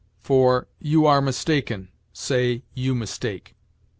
For "you are mistaken," say, "you mistake."